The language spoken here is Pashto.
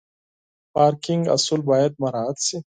پارکینګ اصول باید مراعت شي.